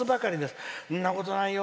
そんなことないよ。